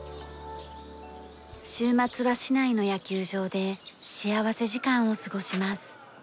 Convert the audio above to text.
週末は市内の野球場で幸福時間を過ごします。